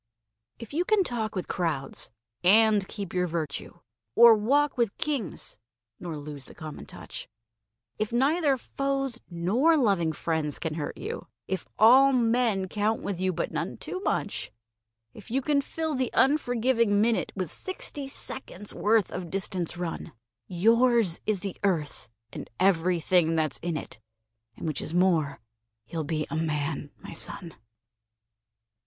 If you can talk with crowds and keep your virtue, Or walk with Kings nor lose the common touch; If neither foes nor loving friends can hurt you, If all men count with you, but none too much; If you can fill the unforgiving minute With sixty seconds' worth of distance run, Yours is the Earth and everything that's in it, And which is more you'll be a Man, my son!